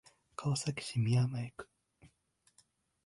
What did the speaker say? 川崎市宮前区